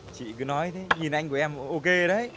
chị cứ nói nhìn anh của em ok đấy